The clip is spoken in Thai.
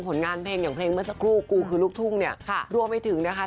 ผลงานเพลงอย่างเพลงเมื่อสักครู่กูคือลูกทุ่งเนี่ยค่ะรวมไปถึงนะคะ